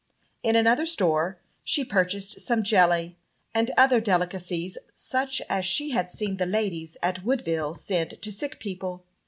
In another store she purchased some jelly and other delicacies such as she had seen the ladies at Woodville send to sick people.